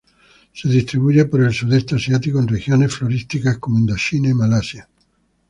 Se distribuye por el Sudeste asiático en regiones florísticas como Indochina y Malasia.